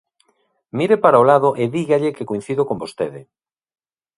Mire para o lado e dígalle que coincido con vostede.